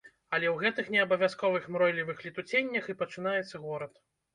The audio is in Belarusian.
Але ў гэтых неабавязковых мройлівых летуценнях і пачынаецца горад.